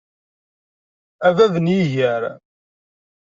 A bab n yiger.